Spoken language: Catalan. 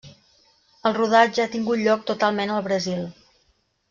El rodatge ha tingut lloc totalment al Brasil.